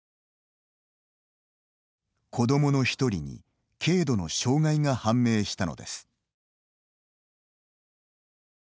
子どもの１人に軽度の障害が判明したのです。